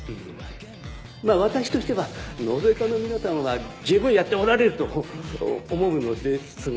まぁ私としては納税課の皆さんは十分やっておられると思うのですが。